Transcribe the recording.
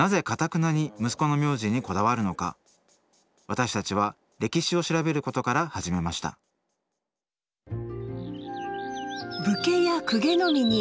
私たちは歴史を調べることから始めました武家や公家のみに氏